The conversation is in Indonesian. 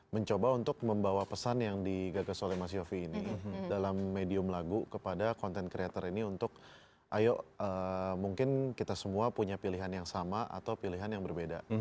mencoba untuk membawa pesan yang digagas oleh mas yofi ini dalam medium lagu kepada content creator ini untuk ayo mungkin kita semua punya pilihan yang sama atau pilihan yang berbeda